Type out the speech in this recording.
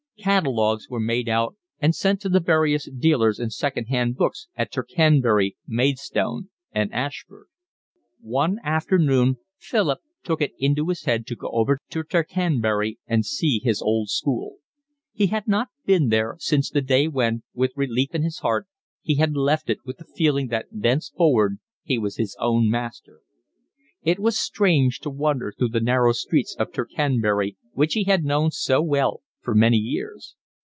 Catalogues were made out and sent to the various dealers in second hand books at Tercanbury, Maidstone, and Ashford. One afternoon Philip took it into his head to go over to Tercanbury and see his old school. He had not been there since the day when, with relief in his heart, he had left it with the feeling that thenceforward he was his own master. It was strange to wander through the narrow streets of Tercanbury which he had known so well for so many years.